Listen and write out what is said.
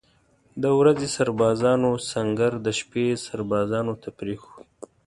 د ورځې سربازانو سنګر د شپې سربازانو ته پرېښوده.